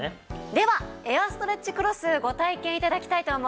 ではエアーストレッチクロスご体験頂きたいと思います。